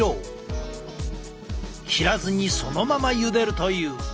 切らずにそのままゆでるという。